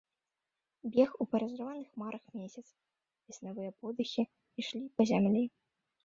Бег у паразрываных хмарах месяц, веснавыя подыхі ішлі па зямлі.